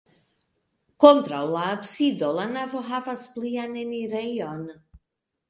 Kontraŭ la absido la navo havas plian enirejon.